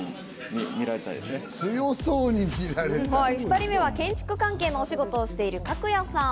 ２人目は建築関係のお仕事をされているタクヤさん。